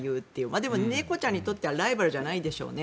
でも、猫ちゃんにとってはライバルじゃないでしょうね。